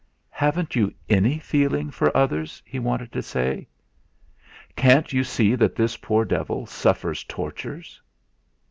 "Haven't you any feeling for others?" he wanted to say. "Can't you see that this poor devil suffers tortures?"